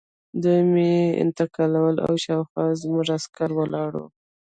دوی مې انتقالول او شاوخوا زموږ عسکر ولاړ وو